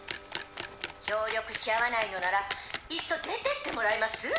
協力し合わないのならいっそ出てってもらえます？